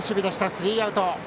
スリーアウト。